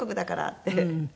って。